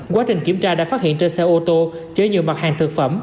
quá trình kiểm tra đã phát hiện trên xe ô tô chứa nhiều mặt hàng thực phẩm